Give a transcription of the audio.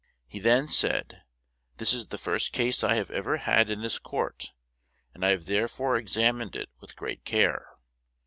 He then said, 'This is the first case I have ever had in this court, and I have therefore examined it with great care.